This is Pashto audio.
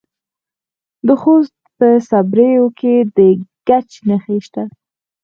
د خوست په صبریو کې د ګچ نښې شته.